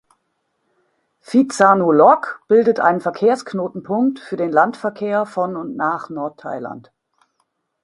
Phitsanulok bildet einen Verkehrsknotenpunkt für den Landverkehr von und nach Nordthailand.